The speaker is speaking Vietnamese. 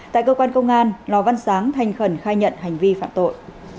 tại cơ quan công an lò văn sáng thanh khẩn khai nhận hành vi phạm tội